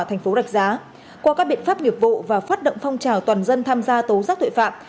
thành phố rạch giá qua các biện pháp nghiệp vụ và phát động phong trào toàn dân tham gia tố giác tội phạm